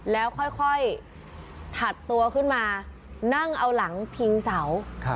แล้วค่อยถัดตัวขึ้นมานั่งเอาหลังพิงเสา